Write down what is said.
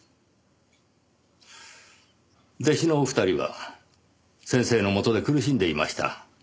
弟子のお二人は先生のもとで苦しんでいました。